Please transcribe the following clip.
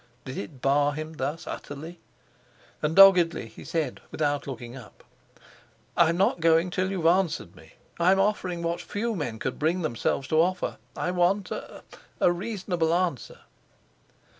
Did it bar him thus utterly? And doggedly he said, without looking up: "I am not going till you've answered me. I am offering what few men would bring themselves to offer, I want a—a reasonable answer."